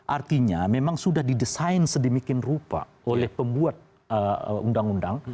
artinya memang sudah didesain sedemikian rupa oleh pembuat undang undang